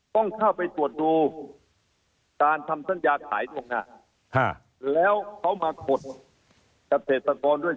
ต้องเข้าไปตรวจดูการทำสัญญาขายดวงแล้วเขามากดเกษตรกรด้วย